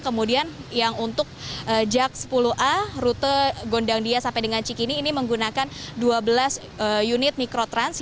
kemudian yang untuk jak sepuluh a rute gondangdia sampai dengan cikini ini menggunakan dua belas unit mikrotrans